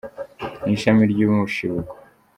Ni ishami ry’umushibuko